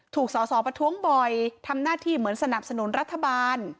สอสอประท้วงบ่อยทำหน้าที่เหมือนสนับสนุนรัฐบาล